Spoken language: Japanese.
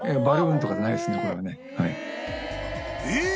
［えっ！？